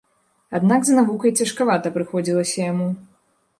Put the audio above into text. Аднак з навукай цяжкавата прыходзілася яму.